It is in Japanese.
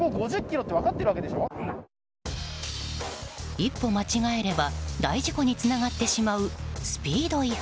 一歩間違えれば大事故につながってしまうスピード違反。